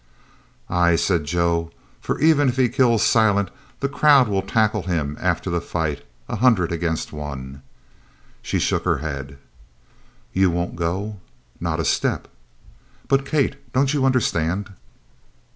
"Ay," said Joe, "for even if he kills Silent, the crowd will tackle him after the fight a hundred against one." She shook her head. "You won't go?" "Not a step." "But Kate, don't you understand